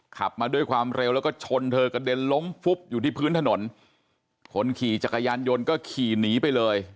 ขับมาด้วยความเร็วแล้วก็ชนเธอกระเด็นล้มฟุบอยู่ที่พื้นถนนคนขี่จักรยานยนต์ก็ขี่หนีไปเลย